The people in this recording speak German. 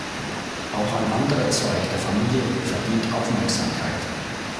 Auch ein anderer Zweig der Familie verdient Aufmerksamkeit.